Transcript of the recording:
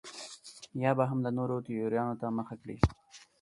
یا به هم د نورو تیوریانو ته مخه کړي.